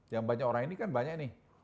yang banyak orang ini kan banyak nih